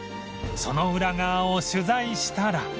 そのウラ側を取材したら